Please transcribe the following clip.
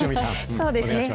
そうですね。